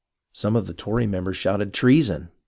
Some of the Tory members shouted "Treason